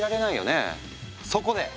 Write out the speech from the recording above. そこで！